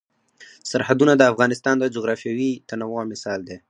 سرحدونه د افغانستان د جغرافیوي تنوع مثال دی.